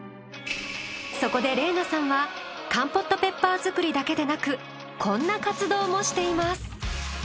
そこで澪那さんはカンポットペッパー作りだけでなくこんな活動もしています。